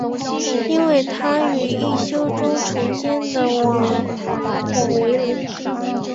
因为他与一休宗纯间的往来而广为人知。